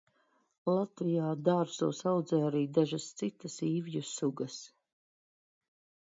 Latvijā dārzos audzē arī dažas citas īvju sugas.